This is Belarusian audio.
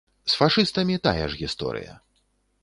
З фашыстамі тая ж гісторыя.